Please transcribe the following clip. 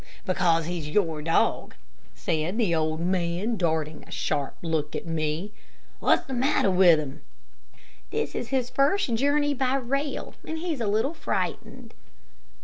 "H'm, because he's your dog," said the old man, darting a sharp look at me. "What's the matter with him?" "This is his first journey by rail, and he's a little frightened."